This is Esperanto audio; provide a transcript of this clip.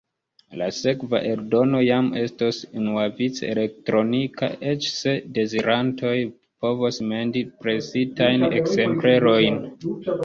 La sekva eldono jam estos unuavice elektronika, eĉ se dezirantoj povos mendi presitajn ekzemplerojn.